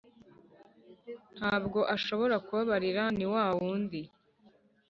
ntabwo ashobora kubabarira. ni wa wundi